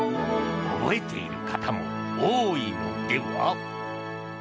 覚えている方も多いのでは？